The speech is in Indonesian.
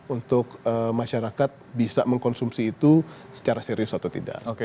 untuk masyarakat bisa mengkonsumsi itu secara serius atau tidak